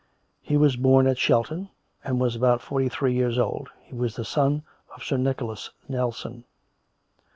He was born at Shelton, and was about forty three years old; he was the son of Sir Nicholas Nelson.'